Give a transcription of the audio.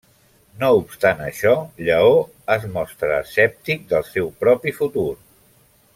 No obstant això, Lleó es mostra escèptic del seu propi futur.